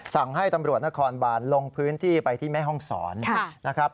สั่งให้ตำรวจนครบานลงพื้นที่ไปที่แม่ห้องศรนะครับ